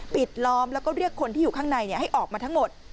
ปิดล้อมแล้วก็เรียกคนที่อยู่ข้างในให้ออกมาทั้งหมด